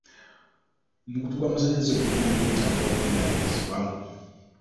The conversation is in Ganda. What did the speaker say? Omukutu gw'amasanyalaze gwonna gwetaaga okudaabirizibwa.